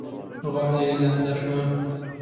غاړه يې لنده شوه.